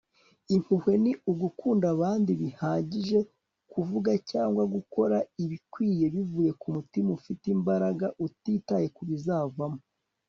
impuhwe ni ugukunda abandi bihagije kuvuga cyangwa gukora ibikwiriye bivuye kumutima ufite imbaraga utitaye kubizavamo